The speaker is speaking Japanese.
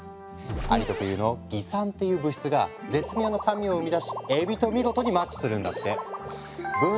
アリ特有の「蟻酸」っていう物質が絶妙な酸味を生み出しエビと見事にマッチするんだって。